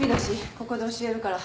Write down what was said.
ここで教えるから。